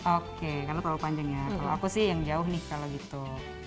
oke karena terlalu panjang ya kalau aku sih yang jauh nih kalau gitu